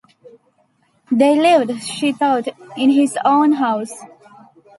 They lived, she thought, in his own house.